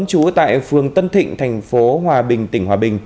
trú tại phường tân thịnh thành phố hòa bình tỉnh hòa bình